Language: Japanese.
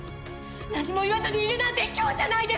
何も言わずにいるなんてひきょうじゃないですか！